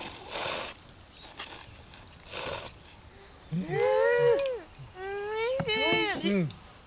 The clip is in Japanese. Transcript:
うんおいしい！